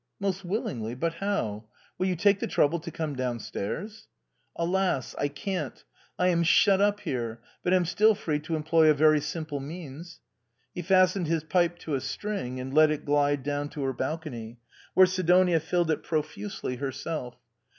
" Most willingly : but how ? Will you take the trouble to come down stairs ?""■ Alas ! I can't ! I am shut up here, but am still free to employ a very simple means. He fastened his pipe to a string, and let it glide down to her balcony, where Sidojiia filled it profusely herself.